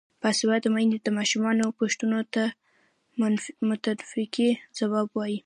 باسواده میندې د ماشومانو پوښتنو ته منطقي ځواب وايي.